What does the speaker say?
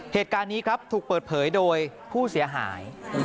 เหตุการณ์นี้ครับถูกเปิดเผยโดยผู้เสียหาย